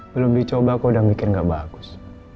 belum dicoba aku udah mikir gak bagus